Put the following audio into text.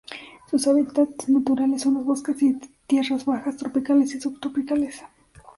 Sus hábitats naturales son los bosques y tierras bajas tropicales y subtropicales.